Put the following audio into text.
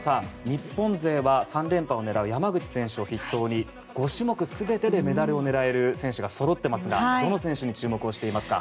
日本勢は３連覇を狙う山口選手を筆頭に５種目全てでメダルを狙える選手がそろっていますがどの選手に注目していますか？